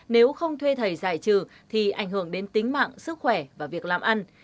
nếu không thuê thầy giải trừ thì ảnh hưởng đến tính mạng sức khỏe và việc làm ăn